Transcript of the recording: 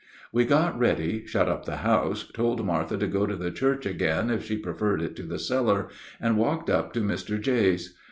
We got ready, shut up the house, told Martha to go to the church again if she preferred it to the cellar, and walked up to Mr. J.'s.